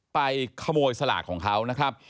ไปขโมยสลากของเขานะครับ